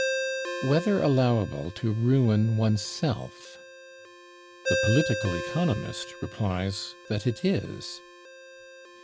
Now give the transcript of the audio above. WHETHER ALLOWABLE TO RUIN ONESELF? The political economist replies that it is!